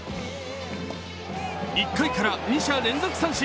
１回から二者連続三振。